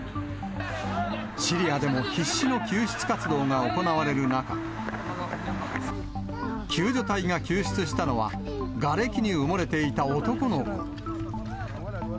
シリアでも必死の救出活動が行われる中、救助隊が救出したのは、がれきに埋もれていた男の子。